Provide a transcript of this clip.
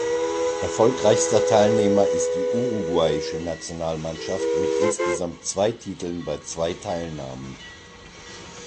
Erfolgreichster Teilnehmer ist die uruguayische Nationalmannschaft mit insgesamt zwei Titeln bei zwei Teilnahmen.